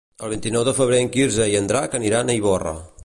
El vint-i-nou de febrer en Quirze i en Drac aniran a Ivorra.